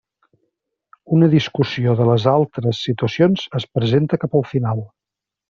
Una discussió de les altres situacions es presenta cap al final.